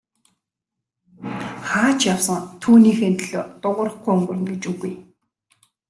Хаа ч явсан түүнийхээ төлөө дуугарахгүй өнгөрнө гэж үгүй.